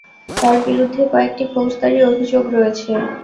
তার বিরুদ্ধে কয়েকটি ফৌজদারি অভিযোগ রয়েছে।